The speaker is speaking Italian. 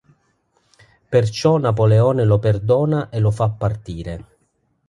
Perciò Napoleone lo perdona e lo fa partire.